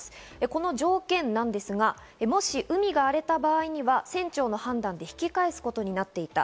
この条件なんですが、もし海が荒れた場合には船長の判断で引き返すことになっていた。